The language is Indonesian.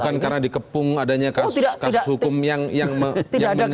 bukan karena di kepung adanya kasus hukum yang menentukan